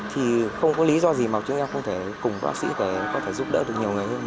thì không có lý do gì mà chúng em không thể cùng bác sĩ giúp đỡ được nhiều người như thế